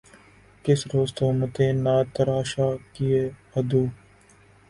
کس روز تہمتیں نہ تراشا کیے عدو